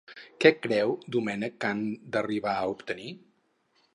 Què creu Domènech que han d'arribar a obtenir?